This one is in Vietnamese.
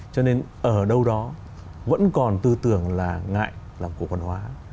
cho nên ở đâu đó vẫn còn tư tưởng là ngại làm cổ phần hóa